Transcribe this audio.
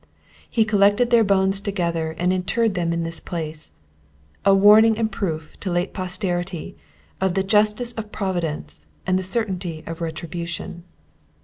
He collected theire bones together, and interred them in this place: A warning and proofe to late posteritie, of the justice of Providence, and the certaintie of Retribution."